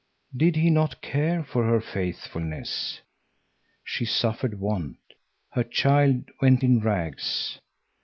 Did he not care for her faithfulness. She suffered want. Her child went in rags.